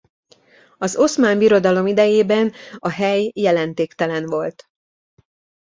Az Oszmán Birodalom idejében a hely jelentéktelen volt.